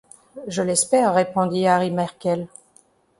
Je l’espère, répondit Harry Markel.